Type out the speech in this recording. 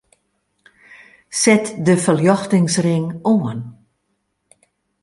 Set de ferljochtingsring oan.